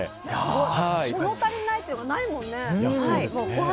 物足りないっていうのがないもんね。